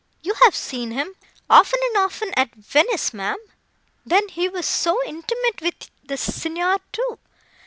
You have seen him, often and often, at Venice, ma'am. Then he was so intimate with the Signor, too.